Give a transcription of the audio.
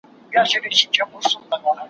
کارگه د زرکي تگ کا وه خپل هغې ئې هېر سو.